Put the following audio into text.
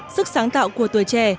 sức sáng tạo của tuổi trẻ